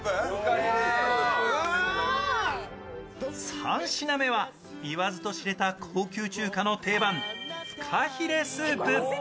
３品目は言わずと知れた、高級中華の定番フカヒレスープ。